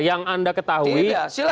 yang anda ketahui